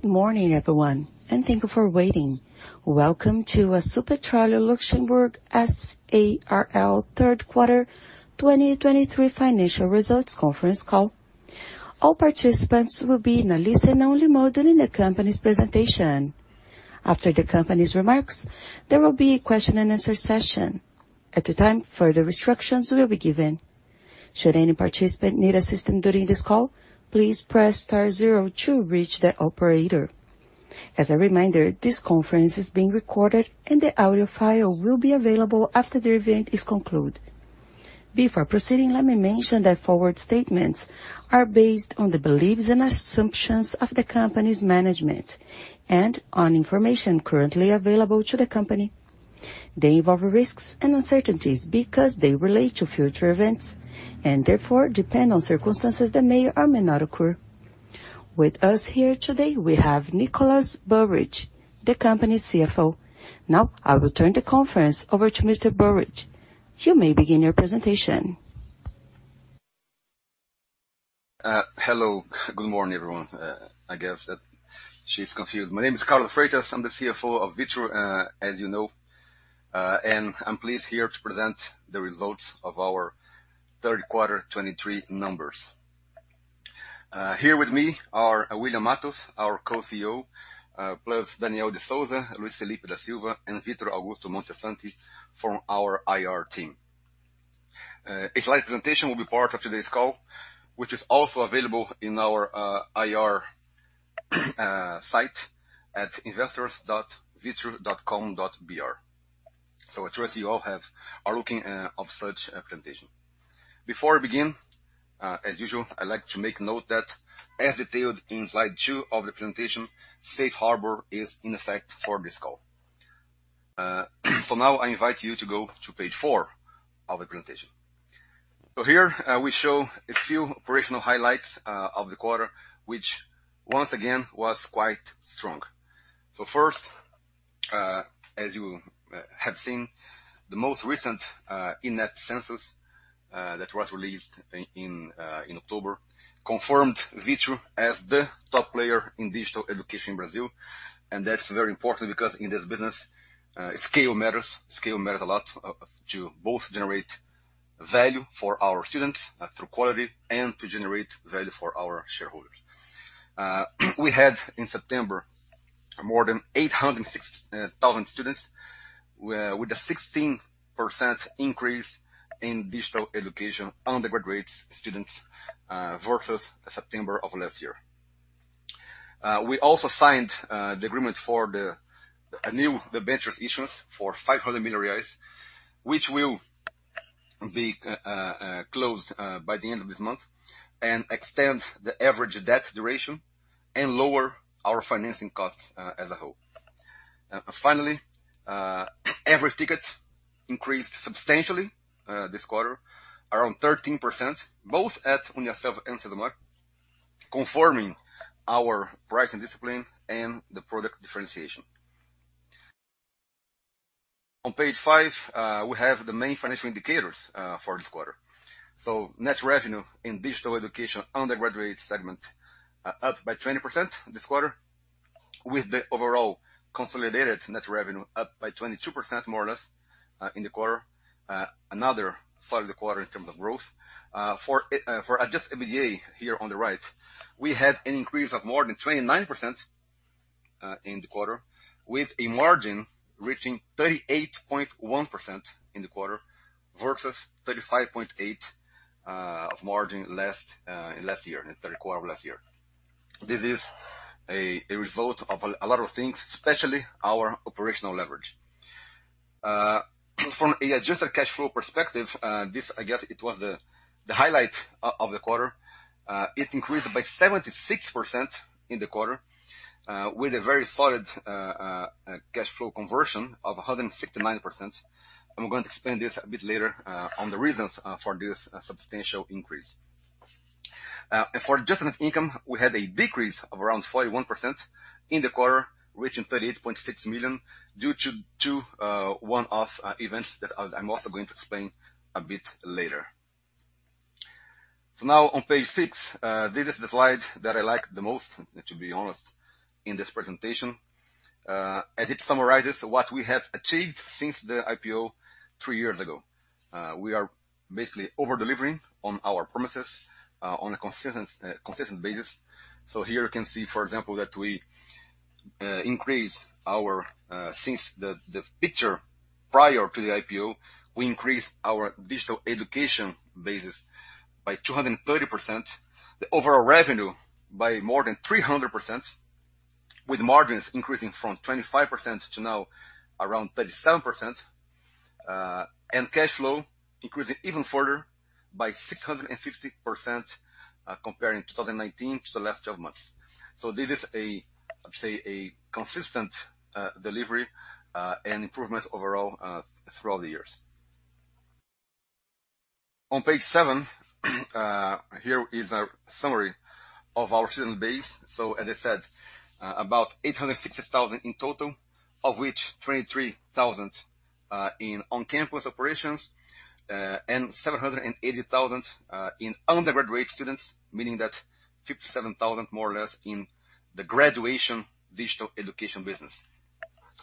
Good morning, everyone, and thank you for waiting. Welcome to the Vitru Limited third quarter 2023 financial results conference call. All participants will be in a listen-only mode during the company's presentation. After the company's remarks, there will be a question and answer session. At the time, further restrictions will be given. Should any participant need assistance during this call, please press star zero to reach the operator. As a reminder, this conference is being recorded, and the audio file will be available after the event is concluded. Before proceeding, let me mention that forward statements are based on the beliefs and assumptions of the company's management and on information currently available to the company. They involve risks and uncertainties because they relate to Vitru events, and therefore depend on circumstances that may or may not occur. With us here today, we have Nicolas Burridge, the company's CFO. Now, I will turn the conference over to Mr. Burridge. You may begin your presentation. Hello. Good morning, everyone. I guess that she's confused. My name is Carlos Freitas. I'm the CFO of Vitru, as you know, and I'm pleased here to present the results of our third quarter 2023 numbers. Here with me are William Matos, our co-CEO, plus Daniel de Souza, Luiz Felipe da Silva, and Victor Augusto Montesanti from our IR team. A slide presentation will be part of today's call, which is also available in our IR site at investors.vitru.com.br. So I trust you all have, are looking of such presentation. Before I begin, as usual, I'd like to make note that as detailed in slide two of the presentation, Safe Harbor is in effect for this call. So now I invite you to go to page four of the presentation. So here, we show a few operational highlights of the quarter, which once again, was quite strong. So first, as you have seen, the most recent INEP census that was released in October confirmed Vitru as the top player in digital education in Brazil. And that's very important because in this business, scale matters. Scale matters a lot to both generate value for our students through quality and to generate value for our shareholders. We had, in September, more than 860,000 students, with a 16% increase in digital education undergraduate students versus September of last year. We also signed the agreement for a new debentures issuance for 500 million reais, which will be closed by the end of this month, and extend the average debt duration and lower our financing costs as a whole. Finally, every ticket increased substantially this quarter, around 13%, both at UNIASSELVI and UniCesumar, confirming our pricing discipline and the product differentiation. On page five, we have the main financial indicators for this quarter. So net revenue in digital education, undergraduate segment, up by 20% this quarter, with the overall consolidated net revenue up by 22%, more or less, in the quarter. Another solid quarter in terms of growth. For adjusted EBITDA here on the right, we had an increase of more than 29% in the quarter, with a margin reaching 38.1% in the quarter, versus 35.8% of margin last in last year, in the third quarter of last year. This is a result of a lot of things, especially our operational leverage. From a adjusted cash flow perspective, this, I guess it was the highlight of the quarter. It increased by 76% in the quarter, with a very solid cash flow conversion of 169%. I'm going to explain this a bit later on the reasons for this substantial increase. And for adjustment of income, we had a decrease of around 41% in the quarter, reaching 38.6 million, due to two one-off events that I'm also going to explain a bit later. So now on page six, this is the slide that I like the most, to be honest, in this presentation, as it summarizes what we have achieved since the IPO three years ago. We are basically over-delivering on our promises, on a consistent basis. So here you can see, for example, that we increased our digital education basis by 230% since the picture prior to the IPO, the overall revenue by more than 300%, with margins increasing from 25% to now around 37%, and cash flow increasing even further by 650%, comparing 2019 to the last twelve months. So this is a, I'd say, a consistent delivery and improvements overall throughout the years. On page seven, here is a summary of our student base. So as I said, about 860,000 students in total. of which 23,000 students in on-campus operations, and 780,000 students in undergraduate students, meaning that 57,000 students, more or less, in the graduation digital education business.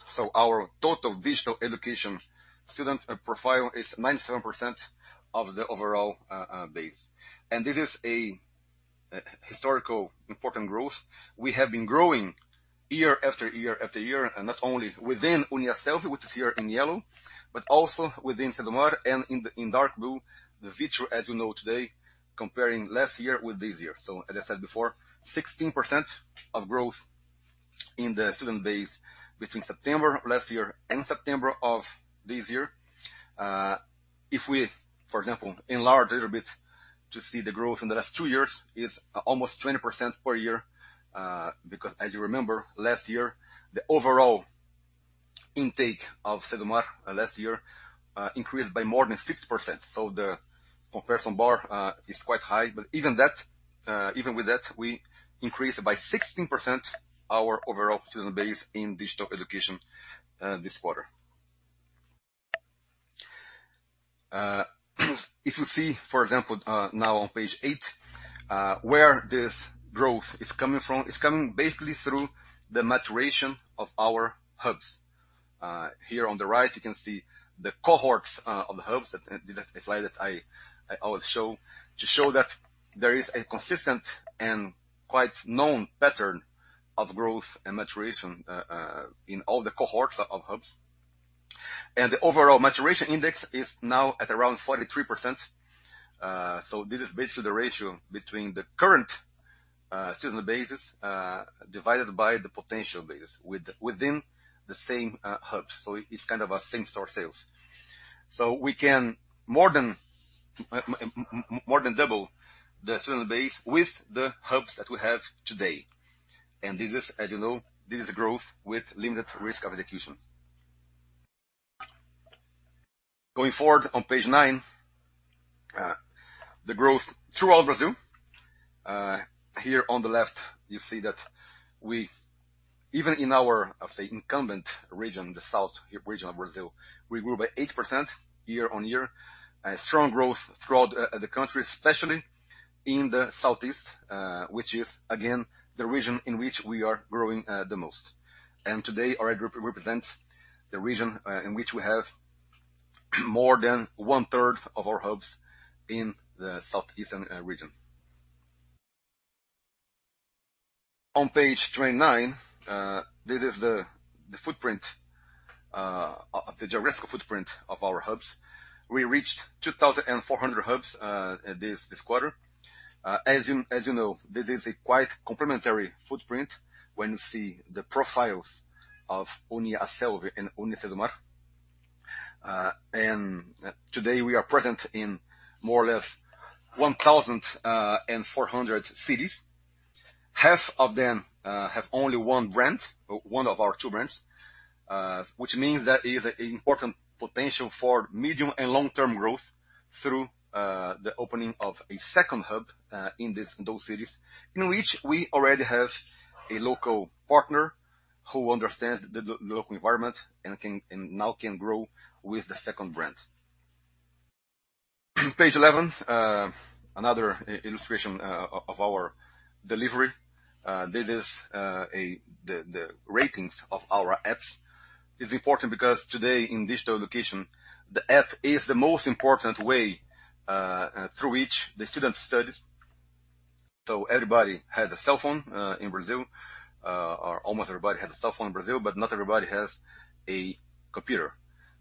So our total digital education student profile is 97% of the overall base. And this is a historical important growth. We have been growing year after year after year, and not only within UNIASSELVI, which is here in yellow, but also within UniCesumar and in the- in dark blue, the Vitru, as you know today, comparing last year with this year. So as I said before, 16% of growth in the student base between September last year and September of this year. If we, for example, enlarge a little bit to see the growth in the last two years, is almost 20% per year. Because as you remember, last year, the overall intake of UniCesumar last year increased by more than 50%. So the comparison bar is quite high, but even that, even with that, we increased by 16% our overall student base in digital education this quarter. If you see, for example, now on page eight, where this growth is coming from, it's coming basically through the maturation of our hubs. Here on the right, you can see the cohorts of the hubs. That's a slide that I always show to show that there is a consistent and quite known pattern of growth and maturation in all the cohorts of hubs. And the overall maturation index is now at around 43%. So this is basically the ratio between the current student bases divided by the potential base within the same hubs. So it's kind of a same-store sales. So we can more than double the student base with the hubs that we have today. And this is, as you know, this is a growth with limited risk of execution. Going forward on page nine, the growth throughout Brazil. Here on the left, you see that we even in our say incumbent region, the south region of Brazil, we grew by 8% year-on-year. A strong growth throughout the country, especially in the southeast, which is, again, the region in which we are growing the most. Today, our group represents the region in which we have more than one-third of our hubs in the southeastern region. On Page 29, this is the footprint of the geographical footprint of our hubs. We reached 2,400 hubs this quarter. As you know, this is a quite complementary footprint when you see the profiles of UNIASSELVI and UniCesumar. And today we are present in more or less 1,400 cities. Half of them have only one brand, one of our two brands, which means there is an important potential for medium and long-term growth through the opening of a second hub in those cities, in which we already have a local partner who understands the local environment and now can grow with the second brand. Page 11, another illustration of our delivery. This is the ratings of our apps. It's important because today in digital education, the app is the most important way through which the student studies. So everybody has a cell phone in Brazil, or almost everybody has a cell phone in Brazil, but not everybody has a computer.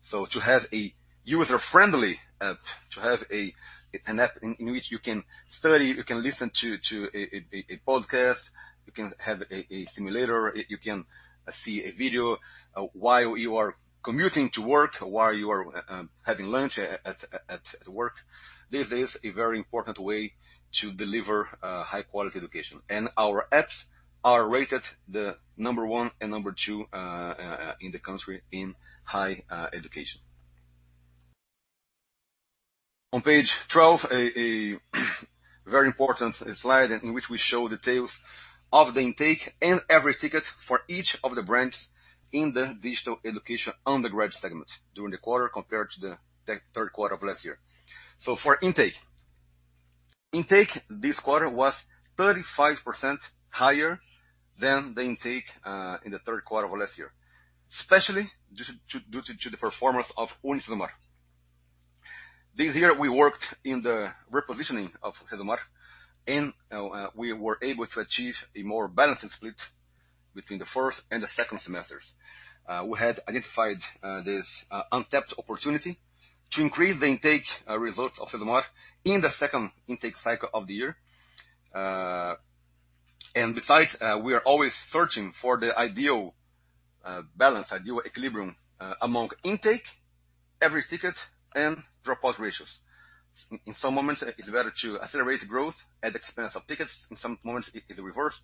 So to have a user-friendly app, to have an app in which you can study, you can listen to a podcast, you can have a simulator, you can see a video, while you are commuting to work, while you are having lunch at work. This is a very important way to deliver high-quality education. And our apps are rated the number one and number two in the country in high education. On Page 12, a very important slide in which we show details of the intake and every ticket for each of the brands in the digital education undergrad segment during the quarter, compared to the third quarter of last year. So for intake. Intake this quarter was 35% higher than the intake in the third quarter of last year, especially due to the performance of UniCesumar. This year, we worked in the repositioning of UniCesumar, and we were able to achieve a more balanced split between the first and the second semesters. We had identified this untapped opportunity to increase the intake result of UniCesumar in the second intake cycle of the year. And besides, we are always searching for the ideal balance, ideal equilibrium, among intake, every ticket, and dropout ratios. In some moments, it's better to accelerate growth at the expense of tickets. In some moments, it is reverse.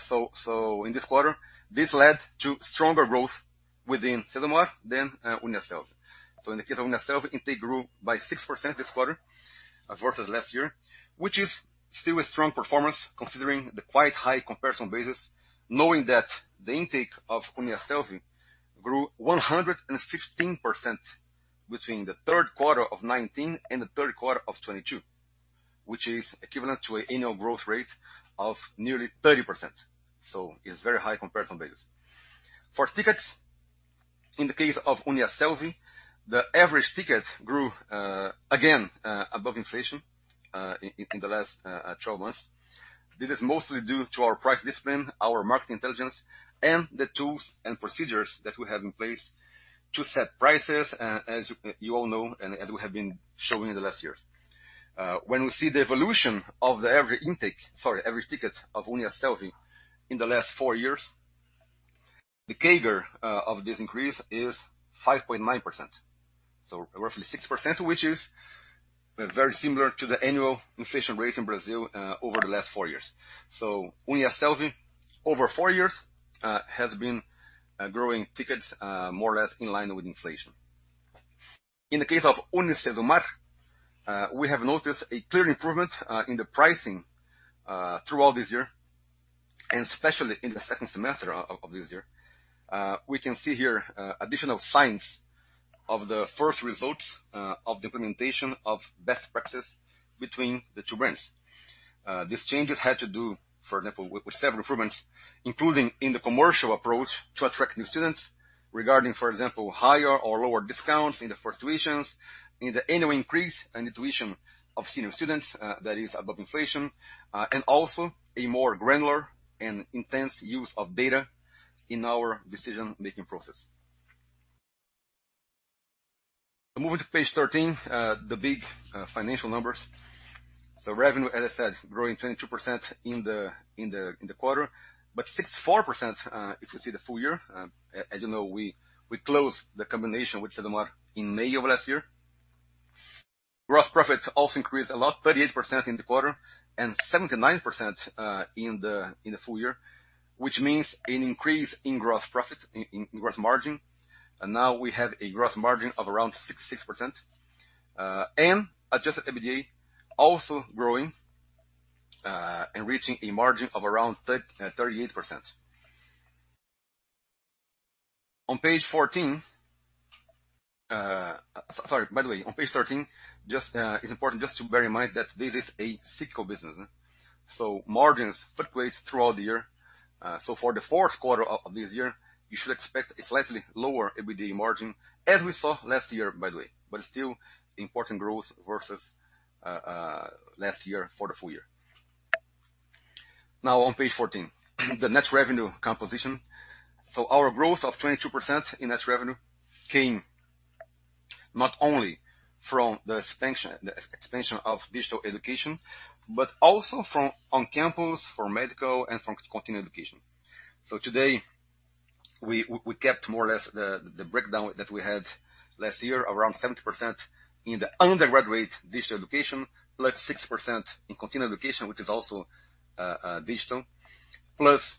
So, in this quarter, this led to stronger growth within UniCesumar than UNIASSELVI. So in the case of UNIASSELVI, intake grew by 6% this quarter versus last year, which is still a strong performance, considering the quite high comparison basis, knowing that the intake of UNIASSELVI grew 115% between the third quarter of 2019 and the third quarter of 2022, which is equivalent to an annual growth rate of nearly 30%. So it's very high comparison basis. For tickets, in the case of UNIASSELVI, the average ticket grew again above inflation in the last 12 months. This is mostly due to our price discipline, our market intelligence, and the tools and procedures that we have in place to set prices, as you all know, and we have been showing in the last years. When we see the evolution of the average intake, sorry, average ticket of UNIASSELVI in the last four years, the CAGR of this increase is 5.9%. So roughly 6%, which is very similar to the annual inflation rate in Brazil over the last four years. So UNIASSELVI, over four years, has been growing tickets more or less in line with inflation. In the case of UniCesumar, we have noticed a clear improvement in the pricing throughout this year, and especially in the second semester of this year. We can see here additional signs of the first results of the implementation of best practices between the two brands. These changes had to do, for example, with several improvements, including in the commercial approach to attract new students. Regarding, for example, higher or lower discounts in the first tuitions, in the annual increase and the tuition of senior students, that is above inflation, and also a more granular and intense use of data in our decision-making process. Moving to Page 13, the big financial numbers. So revenue, as I said, growing 22% in the quarter, but 64%, if you see the full year. As you know, we closed the combination with UniCesumar in May of last year. Gross profit also increased a lot, 38% in the quarter and 79% in the full year, which means an increase in gross profit, in gross margin. And now we have a gross margin of around 66%. And adjusted EBITDA also growing and reaching a margin of around 38%. On Page 14. Sorry, by the way, on Page 13, just, it's important just to bear in mind that this is a cyclical business, so margins fluctuate throughout the year. So for the fourth quarter of this year, you should expect a slightly lower EBITDA margin, as we saw last year, by the way, but still important growth versus last year for the full year. Now, on Page 14, the net revenue composition. So our growth of 22% in net revenue came not only from the expansion, the expansion of digital education, but also from on-campus, for medical, and from continuing education. So today, we kept more or less the breakdown that we had last year, around 70% in the undergraduate digital education, plus 60% in continuing education, which is also digital, plus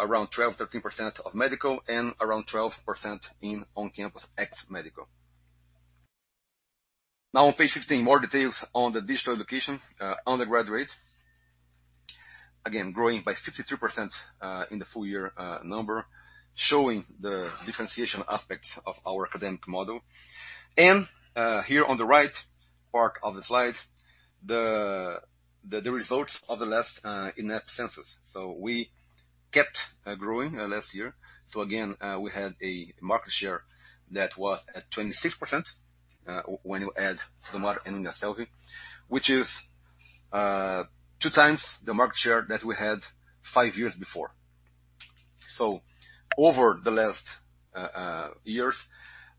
around 12-13% of medical and around 12% in on-campus ex-medical. Now, on Page 15, more details on the digital education, undergraduate. Again, growing by 52% in the full year number, showing the differentiation aspects of our academic model. And here on the right part of the slide, the results of the last ENADE census. So we kept growing last year. So again, we had a market share that was at 26%, when you add UniCesumar and UNIASSELVI, which is two times the market share that we had five years before. So over the last years,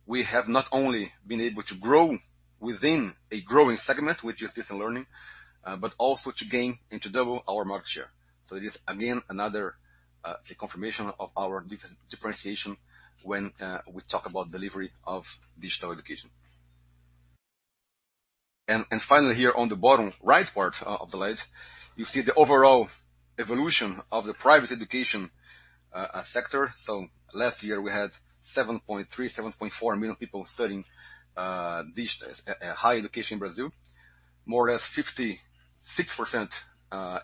we have not only been able to grow within a growing segment, which is digital learning, but also to gain and to double our market share. So it is again another a confirmation of our differentiation when we talk about delivery of digital education. And finally, here on the bottom right part of the slide, you see the overall evolution of the private education sector. So last year we had 7.3-7.4 million people studying digital higher education in Brazil. More or less 56%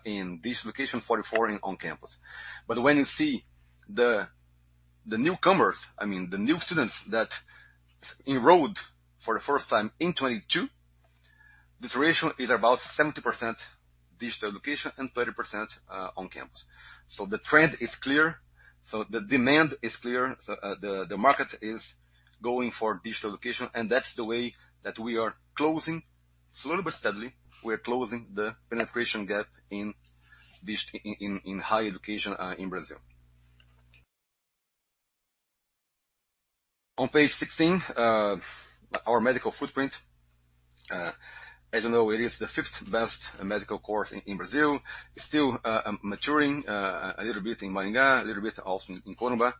in digital education, 44% in on-campus. But when you see the newcomers, I mean, the new students that enrolled for the first time in 2022, this ratio is about 70% digital education and 30% on-campus. So the trend is clear, so the demand is clear, so the market is going for digital education, and that's the way that we are closing, slow but steadily, we're closing the penetration gap in digital higher education in Brazil. On Page 16, our medical footprint. As you know, it is the fifth best medical course in Brazil. It's still maturing a little bit in Maringá, a little bit also in Corumbá.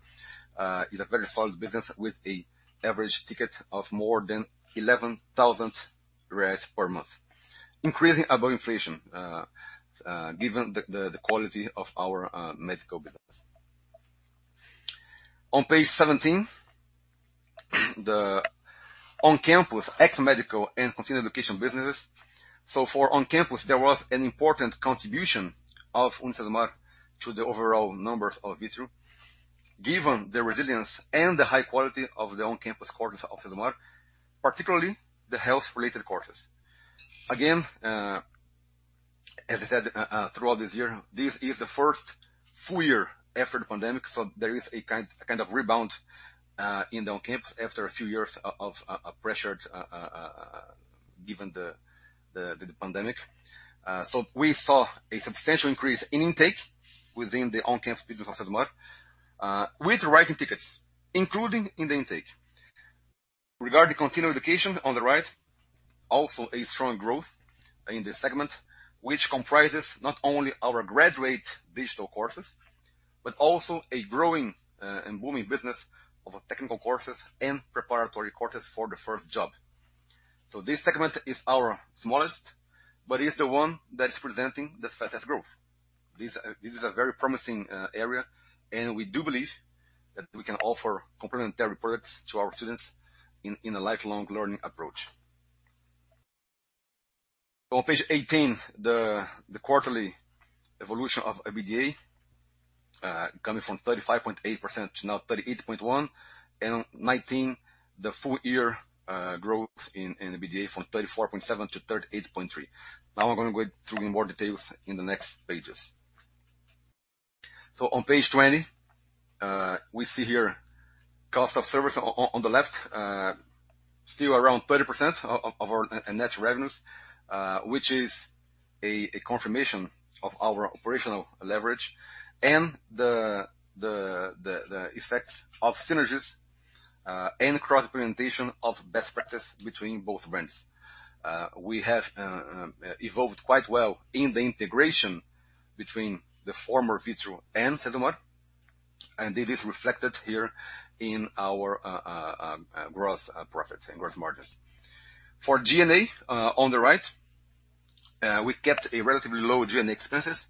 It's a very solid business with an average ticket of more than 11,000 reais per month, increasing above inflation, given the quality of our medical business. On Page 17, the on-campus, ex-medical, and continued education businesses. So for on-campus, there was an important contribution of UniCesumar to the overall numbers of Vitru.... Given the resilience and the high quality of the on-campus courses of UniCesumar, particularly the health-related courses. Again, as I said, throughout this year, this is the first full year after the pandemic, so there is a kind of rebound in the on-campus after a few years of pressure given the pandemic. So we saw a substantial increase in intake within the on-campus business of UniCesumar, with rising tickets, including in the intake. Regarding continuing education on the right, also a strong growth in this segment, which comprises not only our graduate digital courses, but also a growing and booming business of technical courses and preparatory courses for the first job. So this segment is our smallest, but is the one that is presenting the fastest growth. This is a very promising area, and we do believe that we can offer complementary products to our students in a lifelong learning approach. On Page 18, the quarterly evolution of EBITDA coming from 35.8% to now 38.1%, and 19, the full year growth in EBITDA from 34.7%-38.3%. Now I'm going to go through more details in the next Pages. So on Page 20, we see here cost of service on the left, still around 30% of our net revenues, which is a confirmation of our operational leverage and the effects of synergies and cross-presentation of best practice between both brands. We have evolved quite well in the integration between the former Vitru and UniCesumar, and it is reflected here in our gross profits and gross margins. For G&A, on the right, we kept a relatively low G&A expenses,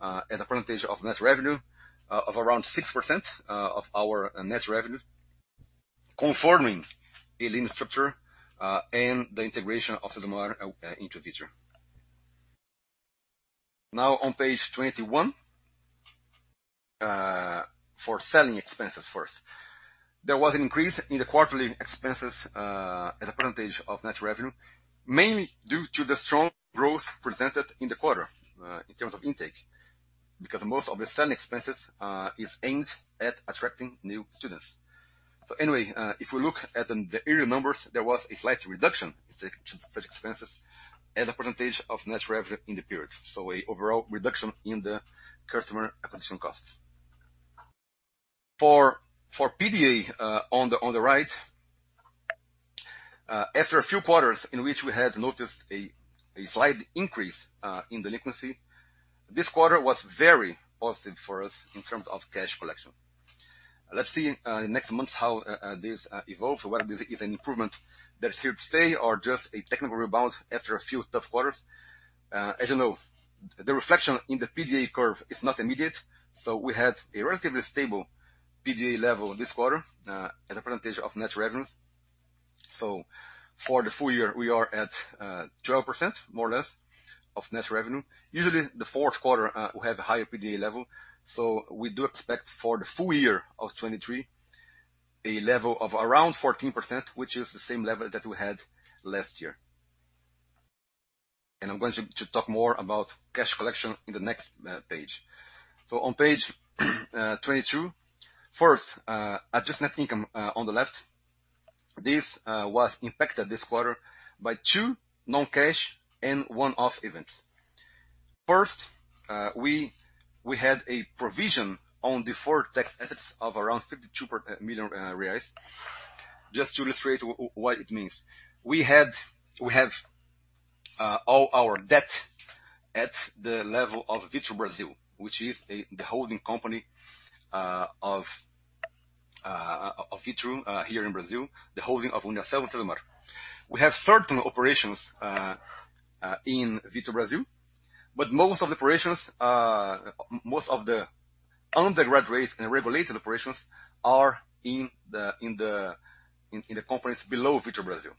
as a percentage of net revenue, of around 6%, of our net revenue, conforming a lean structure, and the integration of UniCesumar into Vitru. Now, on Page 21, for selling expenses first. There was an increase in the quarterly expenses, as a percentage of net revenue, mainly due to the strong growth presented in the quarter, in terms of intake, because most of the selling expenses is aimed at attracting new students. So anyway, if we look at the area numbers, there was a slight reduction in such expenses as a percentage of net revenue in the period. So overall reduction in the customer acquisition cost. For PDA, on the right, after a few quarters in which we had noticed a slight increase in delinquency, this quarter was very positive for us in terms of cash collection. Let's see in next months, how this evolves, whether this is an improvement that's here to stay or just a technical rebound after a few tough quarters. As you know, the reflection in the PDA curve is not immediate, so we had a relatively stable PDA level this quarter, as a percentage of net revenue. So for the full year, we are at 12%, more or less, of net revenue. Usually, the fourth quarter will have a higher PDA level, so we do expect for the full year of 2023, a level of around 14%, which is the same level that we had last year. And I'm going to talk more about cash collection in the next page. So on Page 22. First, adjust net income on the left. This was impacted this quarter by two non-cash and one-off events. First, we had a provision on deferred tax assets of around 52 million reais. Just to illustrate what it means. We have all our debt at the level of Vitru Brasil, which is the holding company of Vitru here in Brazil, the holding of UNIASSELVI and UniCesumar. We have certain operations in Vitru Brasil, but most of the operations, most of the undergraduate and regulated operations are in the companies below Vitru Brasil.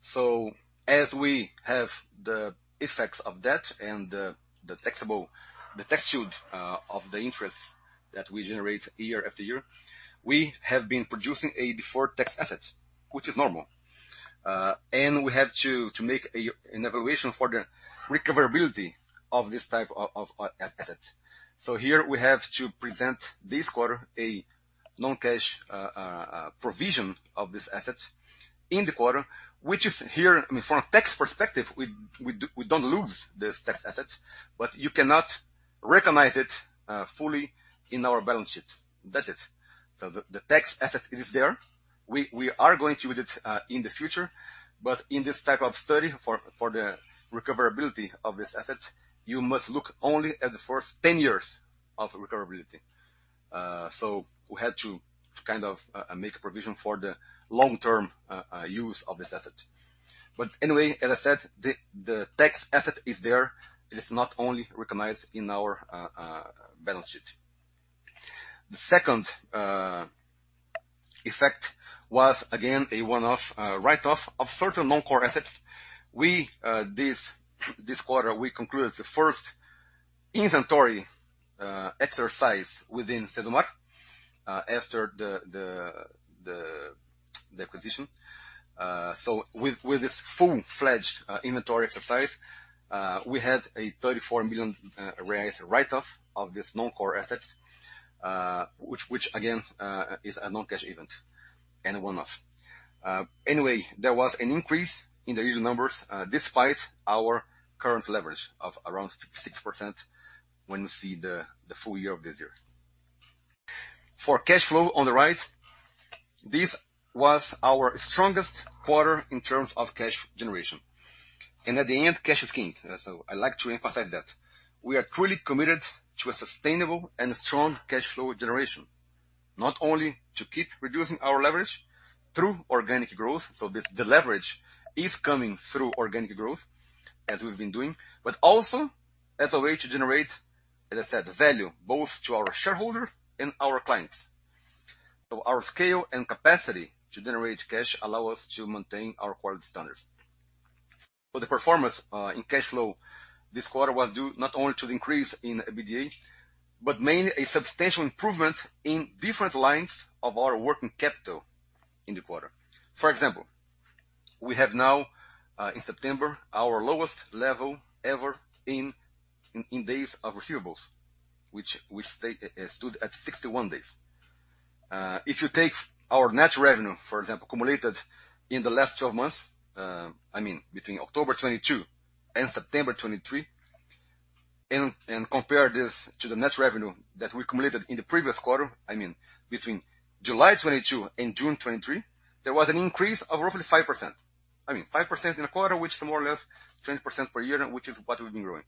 So as we have the effects of that and the taxable, the tax shield of the interest that we generate year after year, we have been producing a deferred tax asset, which is normal. And we have to make an evaluation for the recoverability of this type of asset. So here we have to present this quarter, a non-cash, provision of this asset in the quarter, which is here—I mean, from a tax perspective, we do, we don't lose this tax asset, but you cannot recognize it, fully in our balance sheet. That's it. So the tax asset is there. We are going to use it, in the future, but in this type of study, for the recoverability of this asset, you must look only at the first 10 years of recoverability. So we had to kind of make a provision for the long-term use of this asset. But anyway, as I said, the tax asset is there. It is not only recognized in our balance sheet. The second effect was, again, a one-off, write-off of certain non-core assets. This quarter, we concluded the first inventory exercise within UniCesumar after the acquisition. So with this full-fledged inventory exercise, we had a 34 million write-off of these non-core assets, which again is a non-cash event and a one-off. Anyway, there was an increase in the reais numbers despite our current leverage of around 60% when you see the full year of this year. For cash flow on the right, this was our strongest quarter in terms of cash generation, and at the end, cash is king. So I like to emphasize that. We are truly committed to a sustainable and strong cash flow generation, not only to keep reducing our leverage through organic growth, so this, the leverage is coming through organic growth, as we've been doing. But also as a way to generate, as I said, value both to our shareholders and our clients. So our scale and capacity to generate cash allow us to maintain our quality standards. For the performance in cash flow this quarter was due not only to the increase in EBITDA, but mainly a substantial improvement in different lines of our working capital in the quarter. For example, we have now in September our lowest level ever in days of receivables, which stood at 61 days. If you take our net revenue, for example, accumulated in the last 12 months, I mean, between October 2022 and September 2023, and compare this to the net revenue that we accumulated in the previous quarter, I mean, between July 2022 and June 2023, there was an increase of roughly 5%. I mean, 5% in a quarter, which is more or less 20% per year, which is what we've been growing.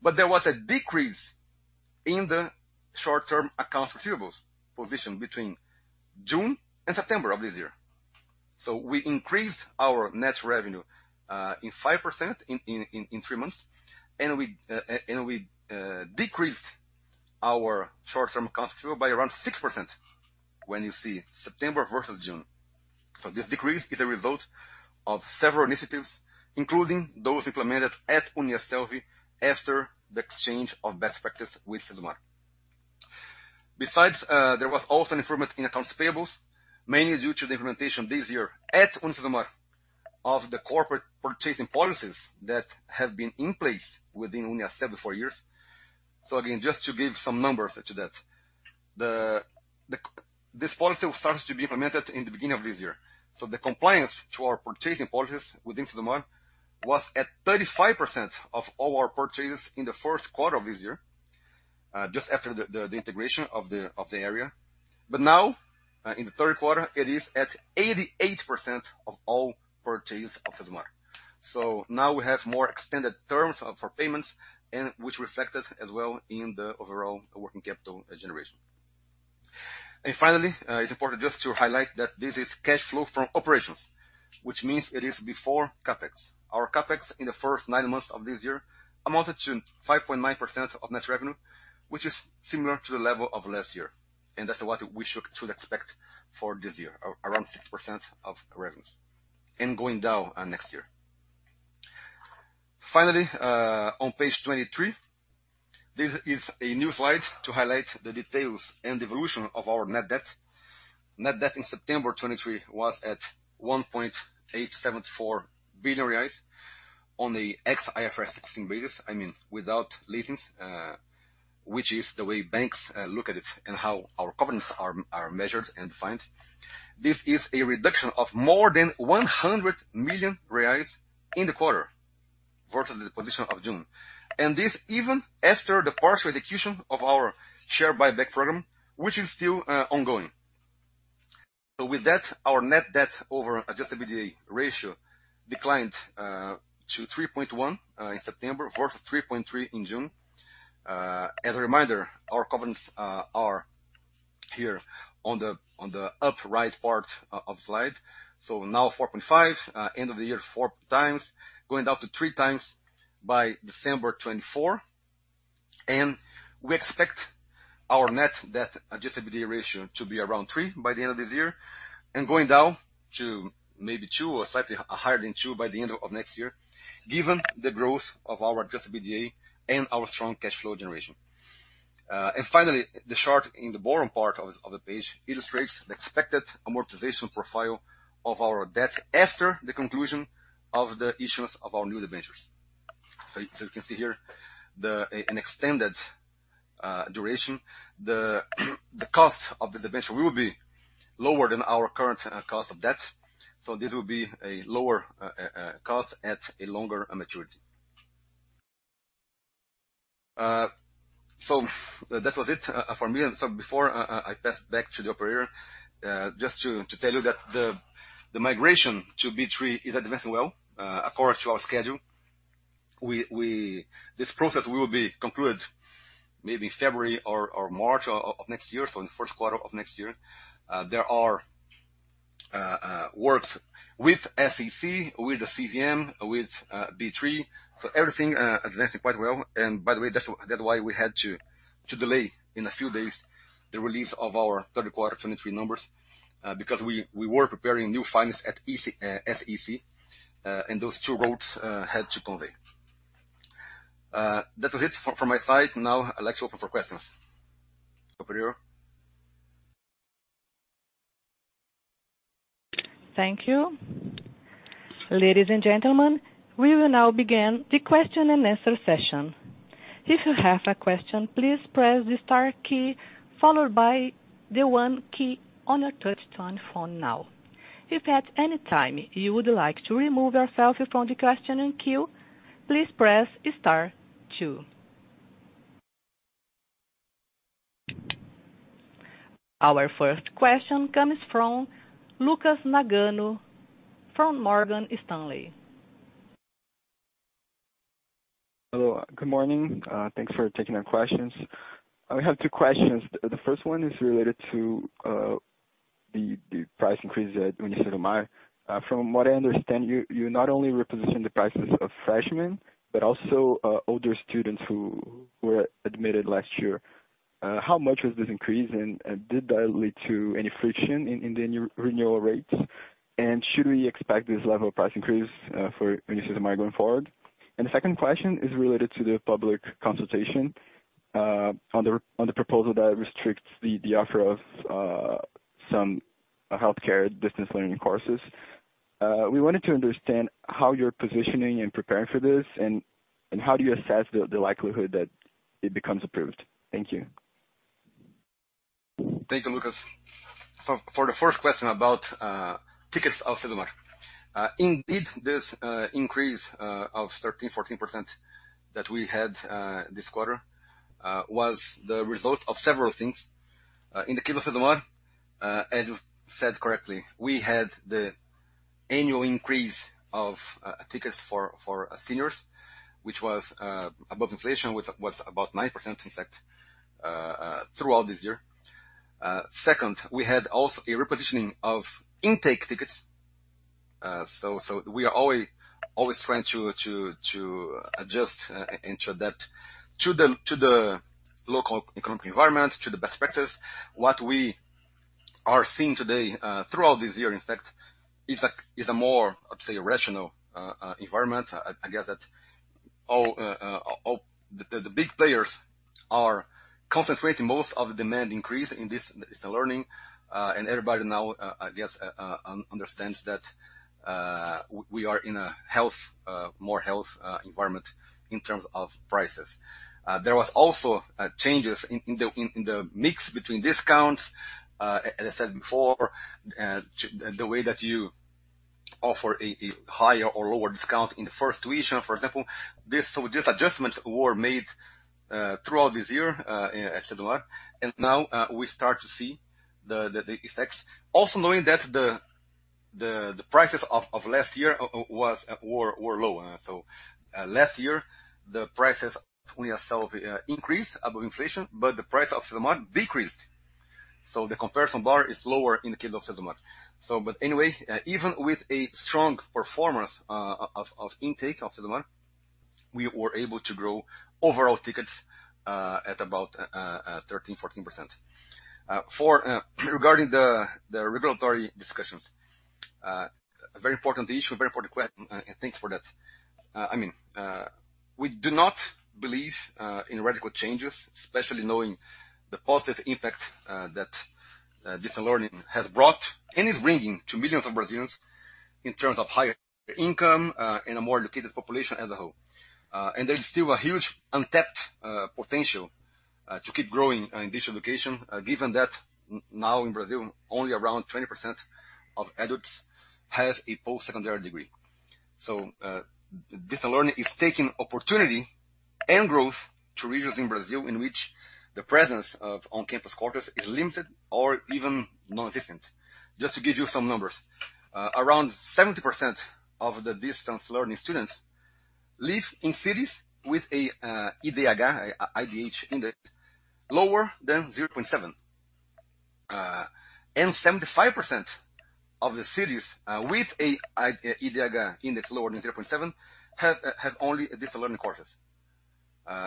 But there was a decrease in the short-term accounts receivables position between June and September of this year. So we increased our net revenue in 5% in three months, and we decreased our short-term accounts receivable by around 6% when you see September versus June. So this decrease is a result of several initiatives, including those implemented at UNIASSELVI after the exchange of best practices with UniCesumar. Besides, there was also an improvement in accounts payables, mainly due to the implementation this year at UniCesumar of the corporate purchasing policies that have been in place within UNIASSELVI four years. So again, just to give some numbers to that, this policy starts to be implemented in the beginning of this year. So the compliance to our purchasing policies within UniCesumar was at 35% of all our purchases in the first quarter of this year, just after the integration of the area. But now, in the third quarter, it is at 88% of all purchases of UniCesumar. So now we have more extended terms of, for payments and which reflected as well in the overall working capital generation. And finally, it's important just to highlight that this is cash flow from operations, which means it is before CapEx. Our CapEx in the first nine months of this year amounted to 5.9% of net revenue, which is similar to the level of last year, and that's what we should expect for this year, around 6% of revenue and going down next year. Finally, on Page 23, this is a new slide to highlight the details and evolution of our net debt. Net debt in September 2023 was at 1.874 billion reais on the ex-IFRS 16 basis, I mean, without leases, which is the way banks look at it and how our covenants are measured and defined. This is a reduction of more than 100 million reais in the quarter versus the position of June, and this even after the partial execution of our share buyback program, which is still ongoing. So with that, our net debt over adjusted EBITDA ratio declined to 3.1 in September, versus 3.3 in June. As a reminder, our covenants are here on the upper right part of the slide. So now EBITDA ratio 4.5, end of the year, 4x, going down to 3x by December 2024. And we expect our net debt adjusted EBITDA ratio to be around EBITDA ratio 3 by the end of this year and going down to maybe EBITDA ratio 2 or slightly higher than EBITDA ratio 2 by the end of next year, given the growth of our adjusted EBITDA and our strong cash flow generation. And finally, the chart in the bottom part of the page illustrates the expected amortization profile of our debt after the conclusion of the issuance of our new debentures. So you can see here an extended duration. The cost of the debenture will be lower than our current cost of debt, so this will be a lower cost at a longer maturity. So that was it from me. And so before I pass back to the operator, just to tell you that the migration to B3 is addressing well according to our schedule. This process will be concluded maybe February or March of next year, so in the first quarter of next year. There are works with SEC, with the CVM, with B3. So everything advancing quite well. And by the way, that's why we had to delay in a few days, the release of our third quarter 2023 numbers, because we were preparing new filings at SEC, and those two votes had to convey. That was it from my side. Now, I'd like to open for questions. Operator? Thank you. Ladies and gentlemen, we will now begin the question and answer session. If you have a question, please press the star key followed by the one key on your touchtone phone now. If at any time you would like to remove yourself from the question queue, please press star two. Our first question comes from Lucas Nagano from Morgan Stanley. Hello, good morning. Thanks for taking our questions. I have two questions. The first one is related to the price increase at UniCesumar. From what I understand, you not only reposition the prices of freshmen, but also older students who were admitted last year. How much was this increase, and did that lead to any friction in the new renewal rates? And should we expect this level of price increase for UniCesumar going forward? And the second question is related to the public consultation on the proposal that restricts the offer of some healthcare distance learning courses. We wanted to understand how you're positioning and preparing for this, and how do you assess the likelihood that it becomes approved? Thank you. Thank you, Lucas. So for the first question about tickets of UniCesumar. Indeed, this increase of 13%-14% that we had this quarter was the result of several things. In the case of UniCesumar, as you said correctly, we had the annual increase of tickets for seniors, which was above inflation, which was about 9%, in fact, throughout this year. Second, we had also a repositioning of intake tickets. So we are always trying to adjust and ensure that to the local economic environment, to the best practice. What we are seeing today, throughout this year, in fact, is a more, I'd say, rational environment. I guess that all the big players are concentrating most of the demand increase in this e-learning, and everybody now I guess understands that we are in a healthier environment in terms of prices. There was also changes in the mix between discounts. As I said before, the way that you offer a higher or lower discount in the first tuition, for example. So these adjustments were made throughout this year at UniCesumar, and now we start to see the effects. Also knowing that the prices of last year were lower. So last year, the prices only a slight increase above inflation, but the price of UniCesumar decreased. So the comparison bar is lower in the case of UniCesumar. But anyway, even with a strong performance of intake of Unicesumar, we were able to grow overall tickets at about 13%-14%. Regarding the regulatory discussions, a very important issue, a very important question, and thanks for that. I mean, we do not believe in radical changes, especially knowing the positive impact that digital learning has brought and is bringing to millions of Brazilians in terms of higher income and a more educated population as a whole. And there is still a huge untapped potential to keep growing in digital education, given that now in Brazil, only around 20% of adults have a post-secondary degree. So, digital learning is taking opportunity and growth to regions in Brazil in which the presence of on-campus courses is limited or even non-existent. Just to give you some numbers, around 70% of the distance learning students live in cities with a IDH index lower than 0.7. And 75% of the cities with a IDH index lower than 0.7 have only a distance learning courses.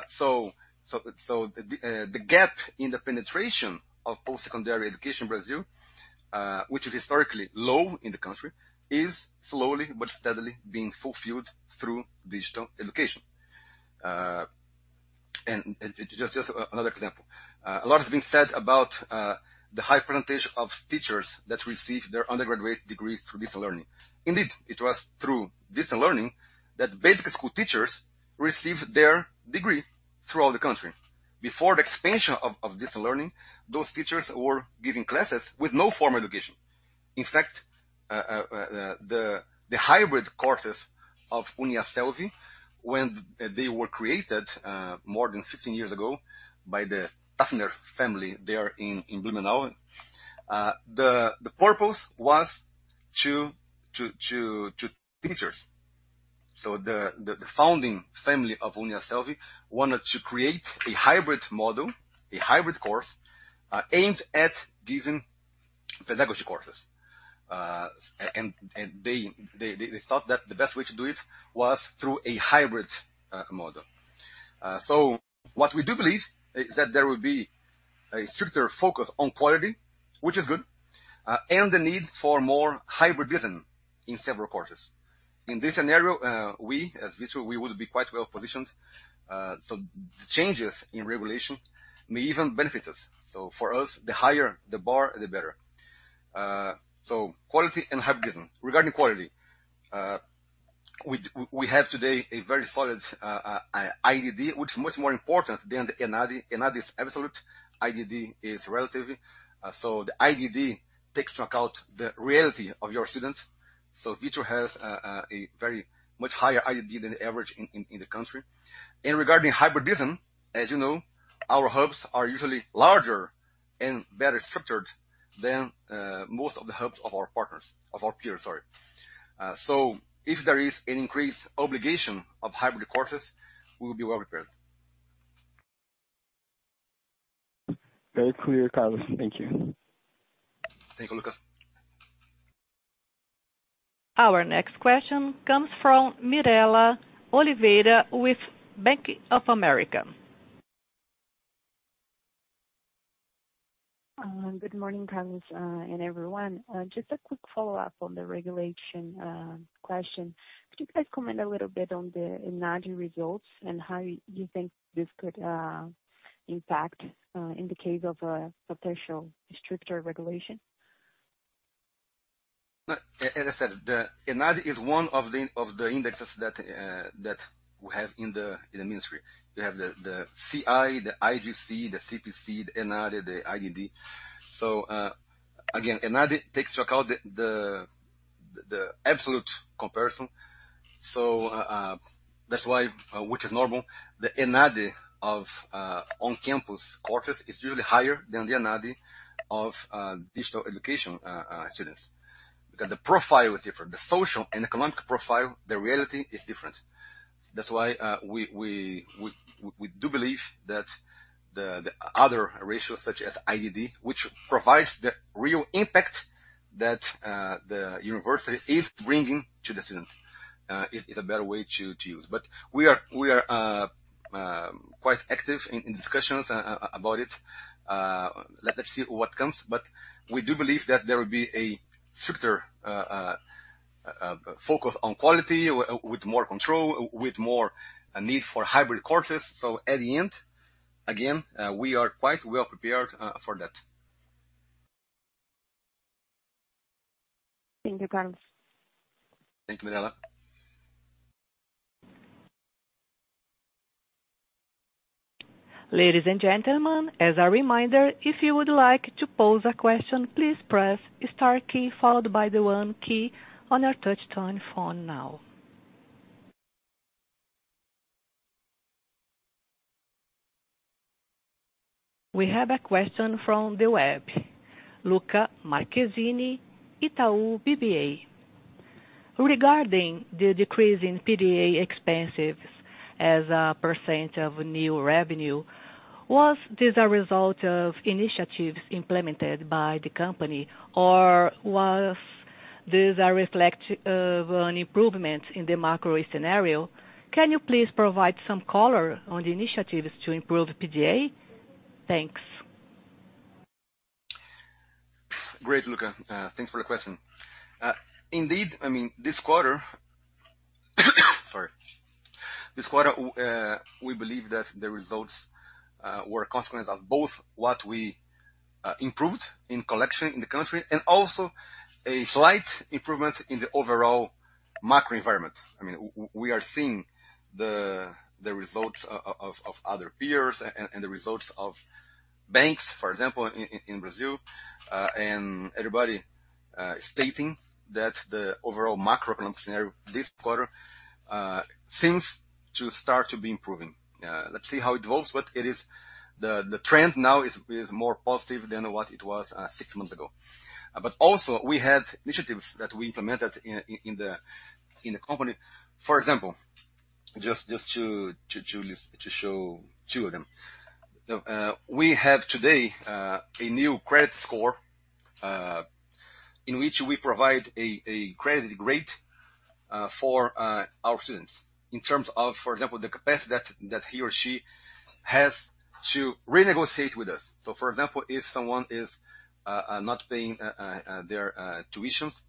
So the gap in the penetration of post-secondary education in Brazil, which is historically low in the country, is slowly but steadily being fulfilled through digital education. And just another example. A lot has been said about the high percentage of teachers that receive their undergraduate degree through distance learning. Indeed, it was through distance learning that basic school teachers received their degree throughout the country. Before the expansion of distance learning, those teachers were giving classes with no formal education. In fact, the hybrid courses of UNIASSELVI, when they were created, more than 15 years ago by the Tafner family there in Blumenau, the purpose was to teachers.... So the founding family of UNIASSELVI wanted to create a hybrid model, a hybrid course, aimed at giving pedagogy courses. And they thought that the best way to do it was through a hybrid model. So what we do believe is that there will be a stricter focus on quality, which is good, and the need for more hybridism in several courses. In this scenario, we, as Vitru, would be quite well positioned. So the changes in regulation may even benefit us. So for us, the higher the bar, the better. So quality and hybridism. Regarding quality, we have today a very solid IDD, which is much more important than the ENADE. ENADE is absolute, IDD is relative. So the IDD takes into account the reality of your students. So Vitru has a very much higher IDD than the average in the country. And regarding hybridism, as you know, our hubs are usually larger and better structured than most of the hubs of our peers, sorry. So if there is an increased obligation of hybrid courses, we will be well prepared. Very clear, Carlos. Thank you. Thank you, Lucas. Our next question comes from Mirela Oliveira with Bank of America. Good morning, Carlos, and everyone. Just a quick follow-up on the regulation question. Could you guys comment a little bit on the ENADE results and how you think this could impact in the case of a potential stricter regulation? No, as I said, the ENADE is one of the indexes that we have in the ministry. We have the CI, the IGC, the CPC, the ENADE, the IDD. So, again, ENADE takes into account the absolute comparison. So, that's why... Which is normal. The ENADE of on-campus courses is usually higher than the ENADE of digital education students, because the profile is different. The social and economic profile, the reality is different. That's why we do believe that the other ratios, such as IDD, which provides the real impact that the university is bringing to the students, is a better way to use. But we are quite active in discussions about it. Let us see what comes, but we do believe that there will be a stricter focus on quality, with more control, with more a need for hybrid courses. So at the end, again, we are quite well prepared for that. Thank you, Carlos. Thank you, Mirela. Ladies and gentlemen, as a reminder, if you would like to pose a question, please press Star key followed by the one key on your touchtone phone now. We have a question from the web. Lucas Marchesini, Itaú BBA. Regarding the decrease in PDA expenses as a % of new revenue, was this a result of initiatives implemented by the company, or was this a reflection of an improvement in the macro scenario? Can you please provide some color on the initiatives to improve the PDA? Thanks. Great, Luca. Thanks for the question. Indeed, I mean, this quarter, sorry. This quarter, we believe that the results were a consequence of both what we improved in collection in the country and also a slight improvement in the overall macro environment. I mean, we are seeing the results of other peers and the results of banks, for example, in Brazil, and everybody stating that the overall macroeconomy scenario this quarter seems to start to be improving. Let's see how it evolves, but it is the trend now is more positive than what it was six months ago. But also, we had initiatives that we implemented in the company. For example, just to show two of them. We have today a new credit score in which we provide a credit rate for our students in terms of, for example, the capacity that he or she has to renegotiate with us. So for example, if someone is not paying their tuitions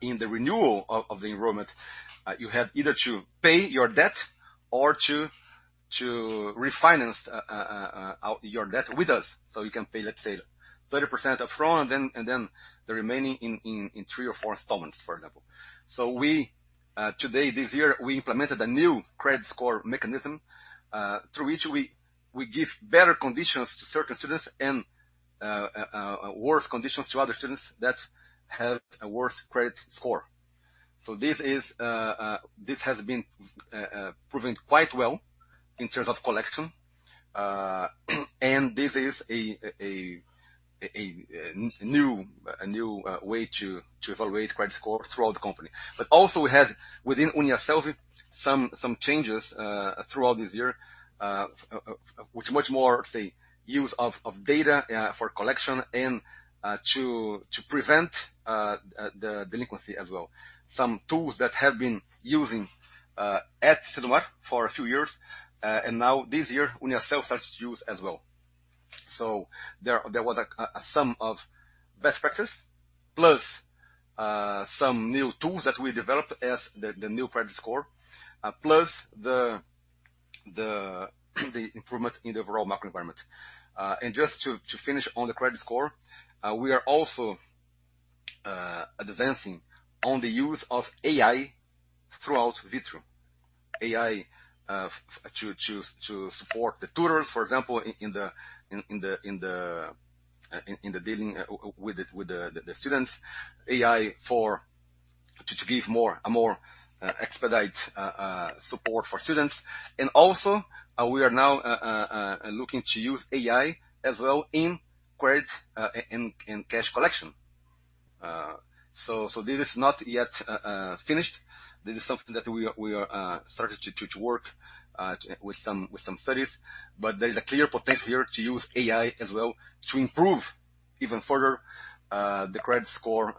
in the renewal of the enrollment, you have either to pay your debt or to refinance your debt with us. So you can pay, let's say, 30% upfront, and then the remaining in three or four installments, for example. So we today, this year, we implemented a new credit score mechanism through which we give better conditions to certain students and worse conditions to other students that have a worse credit score. So this is, this has been proven quite well in terms of collection. And this is a new way to evaluate credit score throughout the company. But also we have, within UNIASSELVI, some changes throughout this year, which much more, say, use of data for collection and to prevent the delinquency as well. Some tools that have been using at UniCesumar for a few years, and now this year, UNIASSELVI starts to use as well. So there was a sum of best practice, plus some new tools that we developed as the new credit score, plus the improvement in the overall macro environment. And just to finish on the credit score, we are also advancing on the use of AI throughout Vitru. AI to support the tutors, for example, in the dealing with the students. AI for to give more, a more expedite support for students. And also, we are now looking to use AI as well in credit, in cash collection. So this is not yet finished. This is something that we are started to work with some studies. But there is a clear potential here to use AI as well, to improve even further, the credit score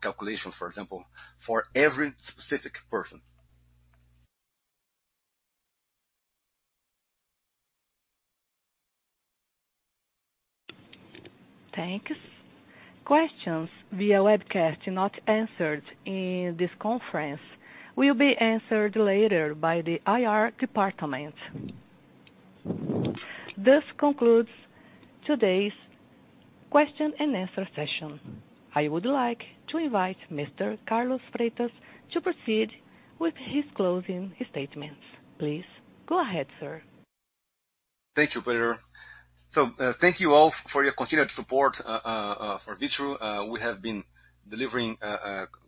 calculations, for example, for every specific person. Thanks. Questions via webcast not answered in this conference will be answered later by the IR department. This concludes today's question and answer session. I would like to invite Mr. Carlos Freitas to proceed with his closing statements. Please go ahead, sir. Thank you, Peter. So, thank you all for your continued support for Vitru. We have been delivering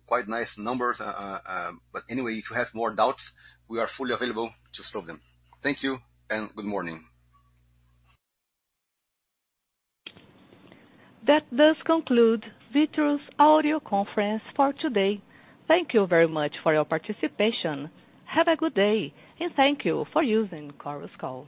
quite nice numbers. But anyway, if you have more doubts, we are fully available to solve them. Thank you and good morning. That does conclude Vitru's audio conference for today. Thank you very much for your participation. Have a good day, and thank you for using Chorus Call.